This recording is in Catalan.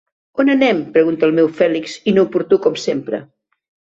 On anem? —pregunta el meu Fèlix, inoportú com sempre.